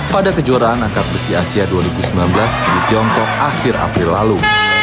pada kejuaraan angkat besi asia dua ribu sembilan belas di tiongkok akhir april lalu